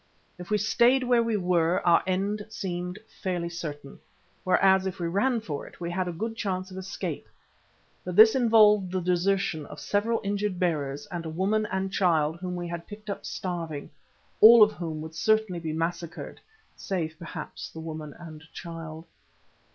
If we stayed where we were our end seemed fairly certain, whereas if we ran for it, we had a good chance of escape. But this involved the desertion of several injured bearers and a woman and child whom we had picked up starving, all of whom would certainly be massacred, save perhaps the woman and child.